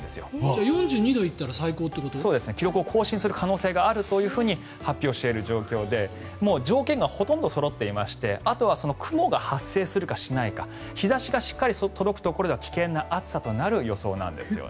じゃあ４２度いったら記録を更新する状況を発表している状況で条件がほとんどそろっていてあとは雲が発生するかしないか日差しがしっかり届くところでは危険な暑さとなる予想なんですよ。